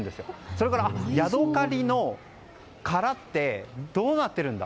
それから、ヤドカリの殻ってどうなってるんだ？